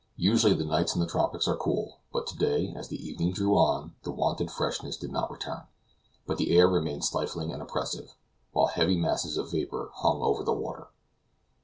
Usually the nights in the tropics are cool, but to day, as the evening drew on, the wonted freshness did not return, but the air remained stifling and oppressive, while heavy masses of vapor hung over the water.